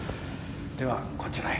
ではこちらへ。